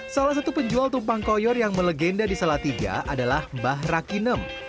salah satu penjual tumpang koyor yang melegenda di salatiga adalah mbah rakinem